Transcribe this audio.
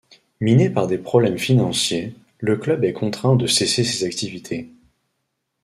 Miné par des problèmes financiers, le club est contraint de cesser ses activités.